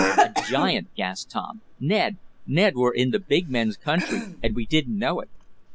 "A giant!" gasped Tom. "Ned! Ned, we're in the big men's country, and we didn't know it!"